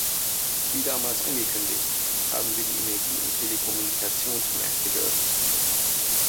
Wie damals angekündigt, haben wir die Energie- und Telekommunikationsmärkte geöffnet.